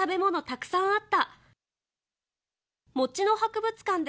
たくさんあった。